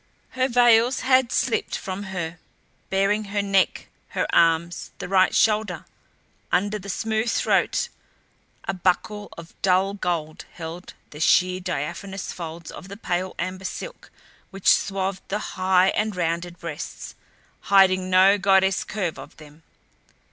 Her veils had slipped from her, baring her neck, her arms, the right shoulder. Under the smooth throat a buckle of dull gold held the sheer, diaphanous folds of the pale amber silk which swathed the high and rounded breasts, hiding no goddess curve of them.